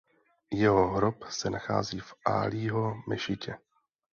Jeho hrob se nachází v Alího mešitě.